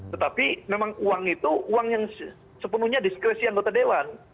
tetapi memang uang itu uang yang sepenuhnya diskresi anggota dewan